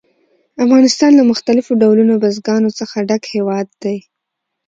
افغانستان له مختلفو ډولونو بزګانو څخه ډک هېواد دی.